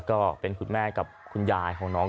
ก็เป็นคุณแม่กับคุณยายของน้อง